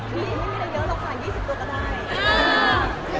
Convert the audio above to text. พี่เอ็มเค้าเป็นระบองโรงงานหรือเปลี่ยนไงครับ